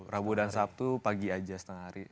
rabu dan sabtu pagi aja setengah hari